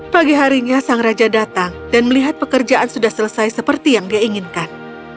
pagi harinya sang raja datang dan melihat pekerjaan sudah selesai seperti yang dia inginkan